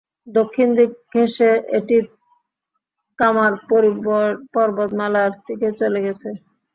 দক্ষিণ দিক ঘেঁষে এটি কামার পর্বতমালার দিকে চলে গেছে।